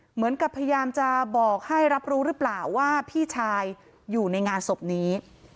เหมือนกับพยายามจะบอกให้รับรู้หรือเปล่าว่าพี่ชายอยู่ในงานศพนี้